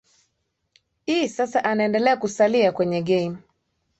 i sasa anaendelea kusalia kwenye game